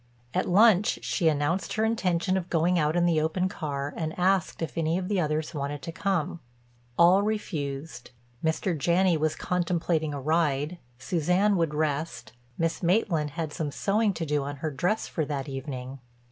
At lunch she announced her intention of going out in the open car and asked if any of the others wanted to come. All refused: Mr. Janney was contemplating a ride, Suzanne would rest, Miss Maitland had some sewing to do on her dress for that evening.